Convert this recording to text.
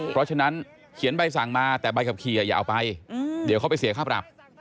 เพราะฉะนั้นเขียนใบสั่งมาแต่ใบขับขี่อย่าเอาไปเดี๋ยวเขาไปเสียค่าปรับ